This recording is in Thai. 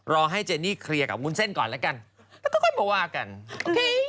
รอให้เจนี่เคลียร์กับวุ้นเส้นก่อนแล้วกันแล้วก็ค่อยมาว่ากัน